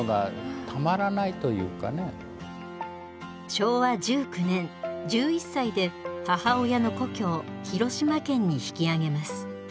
昭和１９年１１歳で母親の故郷広島県に引き揚げます。